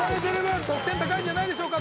得点高いんじゃないでしょうか